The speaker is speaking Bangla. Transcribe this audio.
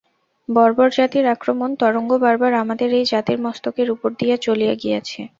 বর্বর জাতির আক্রমণ-তরঙ্গ বার বার আমাদের এই জাতির মস্তকের উপর দিয়া চলিয়া গিয়াছে।